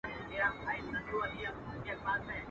o بزې مېږي ته ويل کونه دي ښکاره سوه.